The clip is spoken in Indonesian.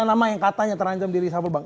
tiga nama yang katanya terancam diresuffle bang